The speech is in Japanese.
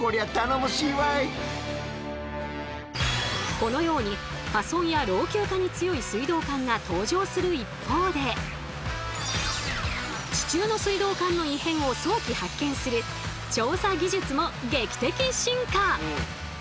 このように破損や老朽化に強い水道管が登場する一方で地中の水道管の異変を早期発見する調査技術も劇的進化！